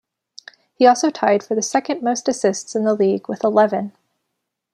He also tied for the second-most assists in the league with eleven.